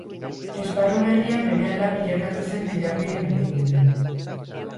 Esparru berria berehala bilakatu zen tirabiren erdigune.